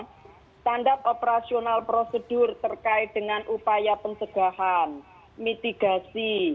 standar operasional prosedur terkait dengan upaya pencegahan mitigasi